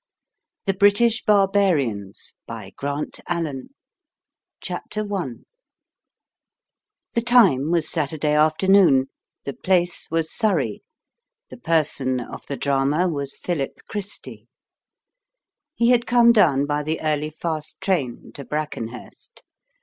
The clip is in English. THE BRITISH BARBARIANS I The time was Saturday afternoon; the place was Surrey; the person of the drama was Philip Christy. He had come down by the early fast train to Brackenhurst.